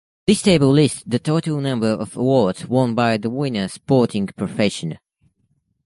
This table lists the total number of awards won by the winners sporting profession.